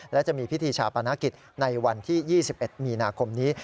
และจะมีพิธีชาปนกิจในวันที่๒๑มีนาคมนี้